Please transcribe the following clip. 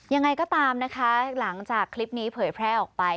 ยังไงก็ตามนะคะหลังจากคลิปนี้เผยแพร่ออกไป